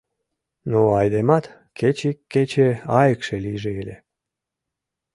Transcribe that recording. Ну, айдемат, кеч ик кече айыкше лийже ыле...